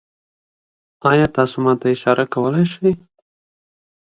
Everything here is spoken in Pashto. ایا تاسو ما ته اشاره کولی شئ؟